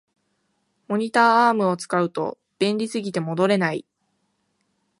モニターアームを使うと便利すぎて戻れない